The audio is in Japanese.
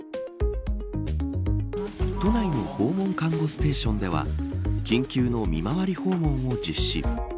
都内の訪問看護ステーションでは緊急の見回り訪問を実施。